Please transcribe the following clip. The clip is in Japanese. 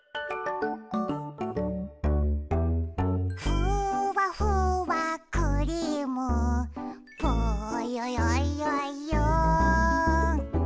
「ふわふわクリームぽよよよよん」